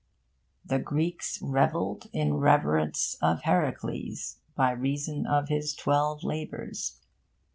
The Greeks revelled in reverence of Heracles by reason of his twelve labours.